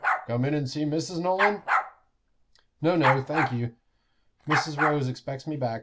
"Come in and see Mrs. Nolan?" "No, no, thankye. Mrs. Rose expects me back.